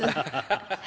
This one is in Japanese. ハハハハ！